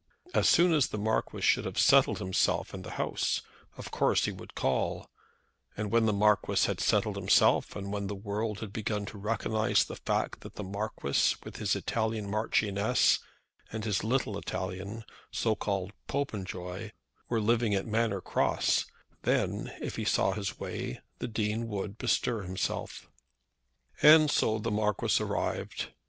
As soon as the Marquis should have settled himself in the house, of course he would call; and when the Marquis had settled himself, and when the world had begun to recognise the fact that the Marquis, with his Italian Marchioness, and his little Italian, so called Popenjoy, were living at Manor Cross, then, if he saw his way, the Dean would bestir himself. And so the Marquis arrived.